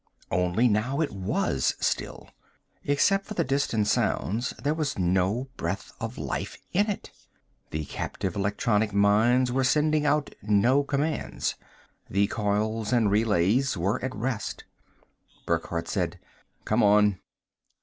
Only now it was still. Except for the distant sounds, there was no breath of life in it. The captive electronic minds were sending out no commands; the coils and relays were at rest. Burckhardt said, "Come on."